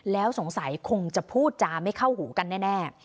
แล้วสงสัยคงจะพูดจาไม่เข้าหูกันแน่